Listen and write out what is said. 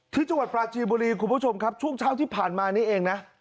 ที่จังหวัดปราจีนบุรีคุณผู้ชมครับช่วงเช้าที่ผ่านมานี้เองนะ